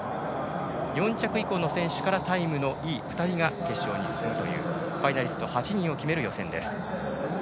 ４着以降の選手からタイムのいい２人が決勝に進むというファイナリスト８人を決める予選。